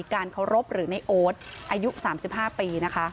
การเคารพหรือนายโอ๊ทอายุ๓๕ปี